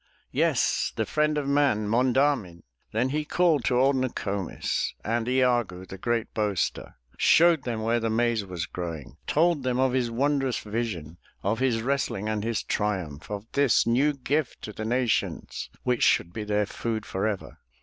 Yes, the friend of man, Monda'min!*' Then he called to old Noko'mis And I a'goo, the great boaster, Showed them where the maize was growing, Told them of his wondrous vision. Of his wrestling and his triumph, Of this new gift to the nations. Which should be their food forever.